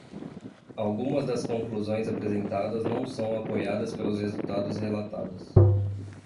Algumas das conclusões apresentadas não são apoiadas pelos resultados relatados.